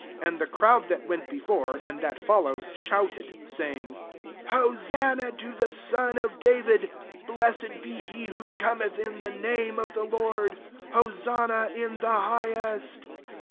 9 And the crowd that went before, and that followed, shouted, saying, " Hosanna to the son of David: blessed be he who cometh in the name of the Lord : Hosanna in the highest."